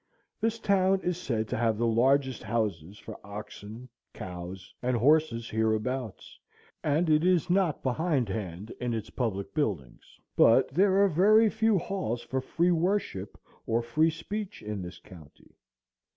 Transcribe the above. This town is said to have the largest houses for oxen, cows, and horses hereabouts, and it is not behindhand in its public buildings; but there are very few halls for free worship or free speech in this county.